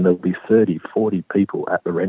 dan ada tiga puluh empat puluh orang